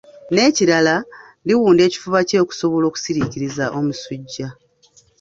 Nekirala liwunda ekifuba kye okusobola okusikiriza omusajja.